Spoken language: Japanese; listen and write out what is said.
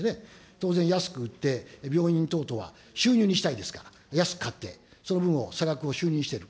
当然安く売って、病院等々は収入にしたいですから、安く買って、その差額を収入にしている。